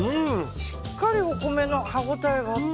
しっかりお米の歯応えがあって。